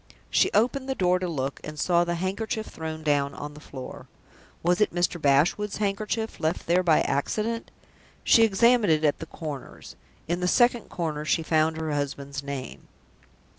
She opened the door to look, and saw the handkerchief thrown down on the floor. Was it Mr. Bashwood's handkerchief, left there by accident? She examined it at the corners. In the second corner she found her husband's name!